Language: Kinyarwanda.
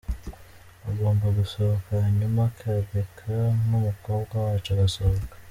Agomba gusohoka hanyuma akareka n’umukobwa wacu agasohoka.